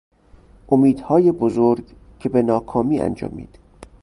امیدهای بزرگی که به ناکامی انجامید